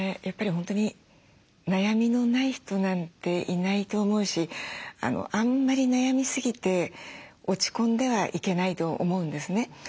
やっぱり本当に悩みのない人なんていないと思うしあんまり悩みすぎて落ち込んではいけないと思うんですね。